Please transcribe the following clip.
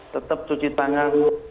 tetap cuci tangan